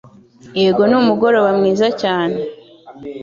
Yego, ni umugoroba mwiza cyane